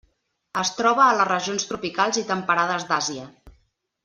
Es troba a les regions tropicals i temperades d'Àsia.